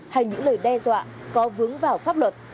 hay những lời đe dọa có vướng vào pháp luật